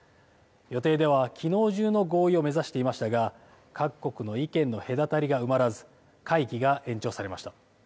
予定ではきのう中の合意を目指していましたが、各国の意見の隔たりが埋まらず、会期が延長されました。